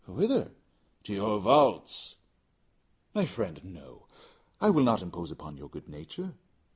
"Whither?" "To your vaults." "My friend, no; I will not impose upon your good nature.